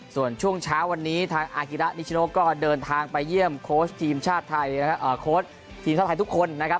ส่วนช่วงเช้าวันนี้ทางอาฮิระนิชโนก็เดินทางไปเยี่ยมโค้ชทีมชาติไทยโค้ชทีมชาติไทยทุกคนนะครับ